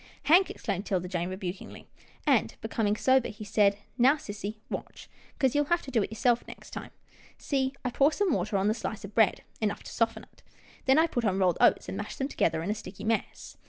" Hank !" exclaimed 'Tilda Jane rebukingly, and, becoming sober, he said, " Now sissy, watch, 'cause you'll have to do it yourself next time. See, I pour some water on the slice of bread, enough to soften it. Then I put on rolled oats, and mash them to gether in a sticky mess.